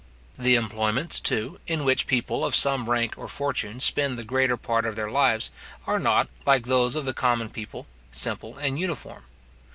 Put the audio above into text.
The employments, too, in which people of some rank or fortune spend the greater part of their lives, are not, like those of the common people, simple and uniform.